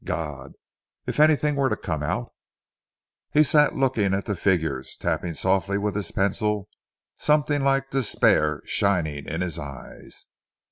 "God! If anything were to come out!" He sat looking at the figures, tapping softly with his pencil, something like despair shining in his eyes.